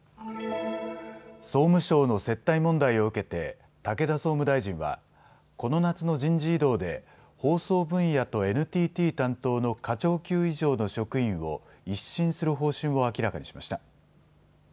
総務省の接待問題を受けて武田総務大臣はこの夏の人事異動で放送分野とＮＴＴ担当の課長級以上の職員を一新する方針を明らかにしました。